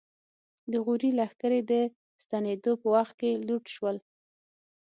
د غوري لښکرې د ستنېدو په وخت کې لوټ شول.